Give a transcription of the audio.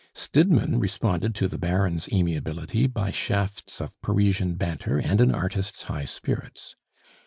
Stidmann responded to the Baron's amiability by shafts of Parisian banter and an artist's high spirits.